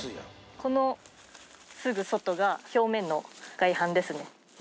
このすぐ外が表面の外板ですね。